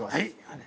はい。